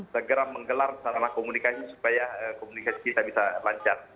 segera menggelar sarana komunikasi supaya komunikasi kita bisa lancar